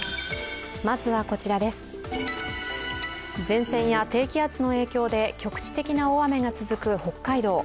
前線や低気圧の影響で局地的な大雨が続く北海道。